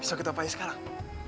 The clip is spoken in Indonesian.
bisa kita payah sekarang